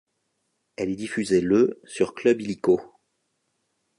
Elle est diffusée le sur Club Illico.